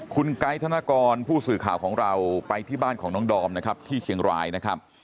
คุณไกด์ธนกรผู้สื่อข่าวของเราไปที่บ้านของน้องดอมนะครับที่เชียงรายนะครับ